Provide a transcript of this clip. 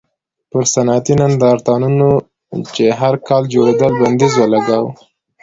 پر صنعتي نندارتونونو چې هر کال جوړېدل بندیز ولګاوه.